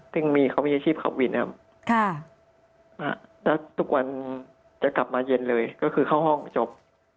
ซึ่งมีเขามีอาชีพขับวินครับแล้วทุกวันจะกลับมาเย็นเลยก็คือเข้าห้องจบ